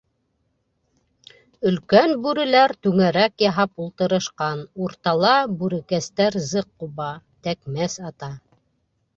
Өлкән бүреләр түңәрәк яһап ултырышҡан, уртала бүрекәстәр зыҡ ҡуба, тәкмәс ата.